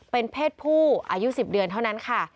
เป็นเพศผู้อายุ๑๐เดือนเท่านั้นค่ะ